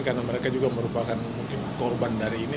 karena mereka juga merupakan korban dari ini